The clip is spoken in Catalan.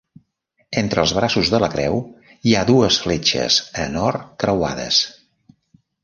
Entre els braços de la creu hi ha dues fletxes en or creuades.